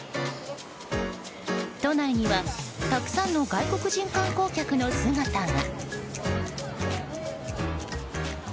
都内にはたくさんの外国人観光客の姿が。